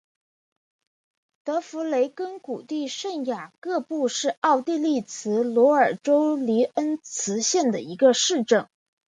德弗雷根谷地圣雅各布是奥地利蒂罗尔州利恩茨县的一个市镇。